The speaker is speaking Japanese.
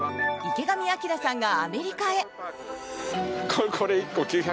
池上彰さんがアメリカへ。